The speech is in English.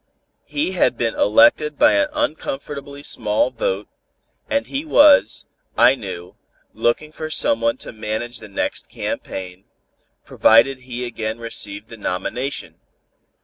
He had been elected by an uncomfortably small vote, and he was, I knew, looking for someone to manage the next campaign, provided he again received the nomination.